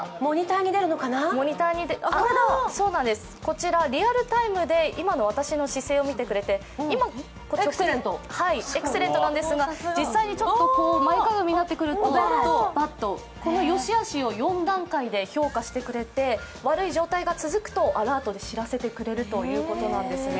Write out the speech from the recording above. こちらリアルタイムで今の私の姿勢を見てくれて今、エクセレントなんですが、実際に前かがみになってくると、このよしあしを４段階で評価してくれて悪い状態が続くとアラートで知らせてくれるということなんですね。